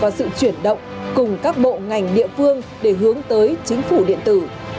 các dự án đã được triển động cùng các bộ ngành địa phương để hướng tới chính phủ điện tử